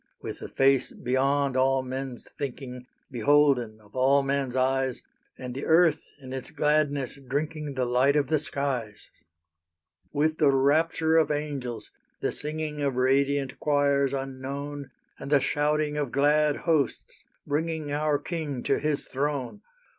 With the Face beyond all men's thinking, Beholden of all men's eyes; And the earth in its gladness drinking The light of the skies. With the rapture of angels, the singing Of radiant choirs unknown, And the shouting of glad hosts bringing Our King to His throne!